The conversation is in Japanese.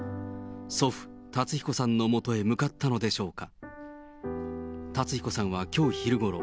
祖父、辰彦さんのもとへ向かったのでしょうか。